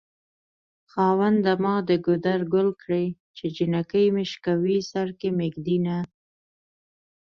خاونده ما دګودر ګل کړی چې جنکي مې شوکوی سرکې مې ږد ينه